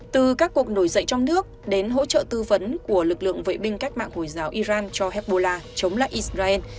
từ các cuộc nổi dậy trong nước đến hỗ trợ tư vấn của lực lượng vệ binh cách mạng hồi giáo iran cho hezbollah chống lại israel